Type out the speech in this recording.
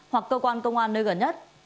hoặc cơ quan công an nơi gần nhất